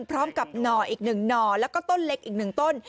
พร้อมกับหน่ออีก๑หน่อและก็ต้นเล็กอีก๑ต้น